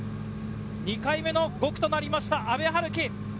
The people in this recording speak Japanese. ２回目の５区となりました阿部陽樹。